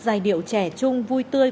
giai điệu trẻ trung vui tươi